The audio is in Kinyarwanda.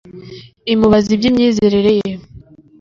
imubaza iby ‘imyizerere ye.